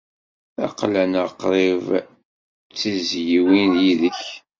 Aql-aneɣ qrib d tizzyiwin yid-k.